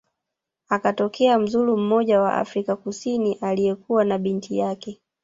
akatokea mzulu mmoja wa Afrika kusini aliyekuwa na binti yake